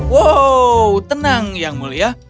wow tenang yang mulia